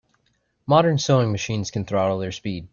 Modern sewing machines can throttle their speed.